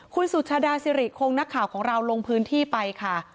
คุณสุชาดาสิริคงนักข่าวของเราลงพื้นที่ไปค่ะ